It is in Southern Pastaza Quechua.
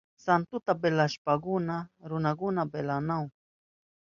Santuta velahushpankuna runakuna lansanahun.